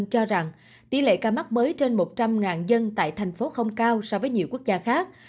cho rằng tỷ lệ ca mắc mới trên một trăm linh dân tại thành phố không cao so với nhiều quốc gia khác